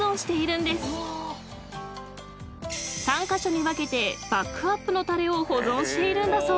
［３カ所に分けてバックアップのタレを保存しているんだそう］